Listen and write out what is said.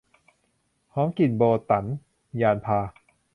หอมกลิ่นโบตั๋น - ญาณภา